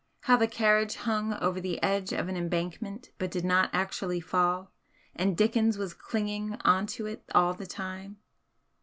How the carriage hung over the edge of an embankment but did not actually fall, and Dickens was clinging on to it all the time.